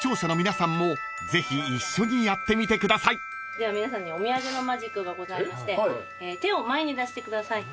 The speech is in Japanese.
じゃあ皆さんにお土産のマジックがございまして手を前に出してください。